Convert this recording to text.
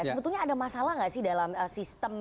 sebetulnya ada masalah nggak sih dalam sistem